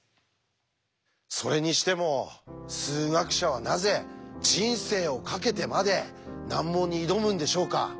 それにしても数学者はなぜ人生をかけてまで難問に挑むんでしょうか？